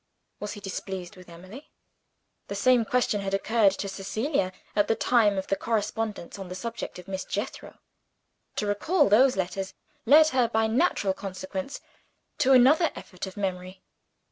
Was he displeased with Emily? The same question had occurred to Cecilia at the time of the correspondence, on the subject of Miss Jethro. To recall those letters led her, by natural sequence, to another effort of memory.